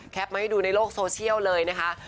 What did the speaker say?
แก๊ปไม่ดูในโลกโซเชียลเลยนะคะ